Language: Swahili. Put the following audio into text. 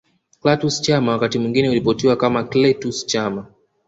Clatous Chama wakati mwingine huripotiwa kama Cletus Chama